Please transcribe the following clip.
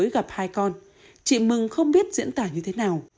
gặp hai con chị mừng không biết diễn tả như thế nào